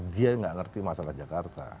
dia nggak ngerti masalah jakarta